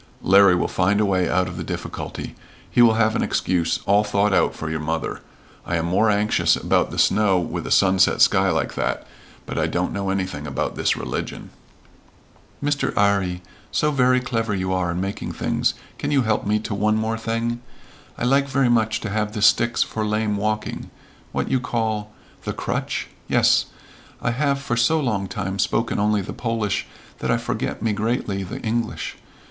"Larry will find a way out of the difficulty. He will have an excuse all thought out for your mother. I am more anxious about the snow with a sunset sky like that, but I don't know anything about this region." "Mr. 'Arry, so very clever you are in making things, can you help me to one more thing? I like very much to have the sticks for lame walking, what you call the crutch? Yes. I have for so long time spoken only the Polish that I forget me greatly the English.